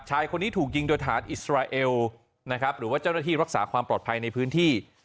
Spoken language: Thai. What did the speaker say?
ชายคนนี้ถูกยิงโดยฐานอิสราเอลนะครับหรือว่าเจ้าหน้าที่รักษาความปลอดภัยในพื้นที่